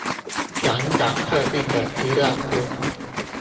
想找特定的資料庫